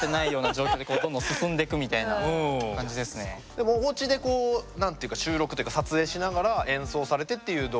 でもおうちでこう何ていうか収録っていうか撮影しながら演奏されてっていう動画をあげだして。